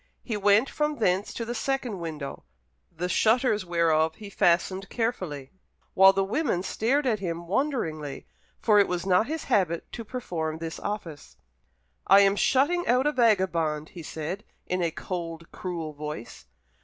He went from thence to the second window, the shutters whereof he fastened carefully, while the women stared at him wonderingly, for it was not his habit to perform this office. "I am shutting out a vagabond," he said, in a cold, cruel voice.